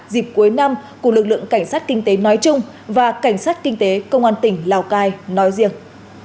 dịp cuối năm của lực lượng cảnh sát kinh tế nói chung và cảnh sát kinh tế công an tỉnh lào cai nói riêng